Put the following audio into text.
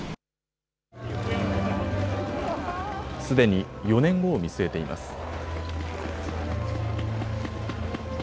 すでに４年後を見据えています。